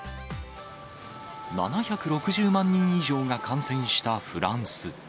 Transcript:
７６０万人以上が感染したフランス。